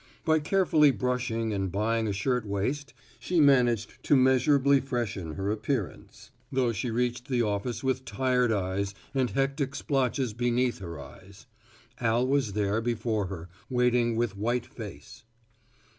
By careful brushing and buying a shirtwaist she managed to measurably freshen her appearance, though she reached the office with tired eyes and hectic splotches beneath her eyes. Al was there before her waiting with white face.